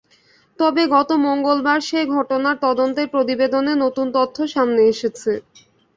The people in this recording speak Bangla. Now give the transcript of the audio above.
তবে গত মঙ্গলবার সে ঘটনার তদন্তের প্রতিবেদনে নতুন তথ্য সামনে এসেছে।